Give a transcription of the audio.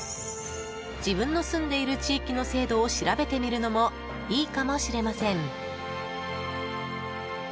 自分の住んでいる地域の制度を調べてみるのもいいかもしれません。